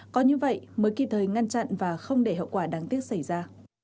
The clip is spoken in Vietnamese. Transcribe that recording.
có như vậy mới kịp thời ngăn chặn và không để hậu quả đáng tiếc xảy ra